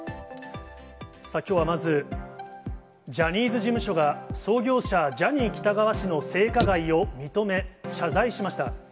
さあ、きょうはまず、ジャニーズ事務所が創業者、ジャニー喜多川氏の性加害を認め、謝罪しました。